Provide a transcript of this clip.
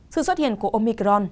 sự xuất hiện của omicron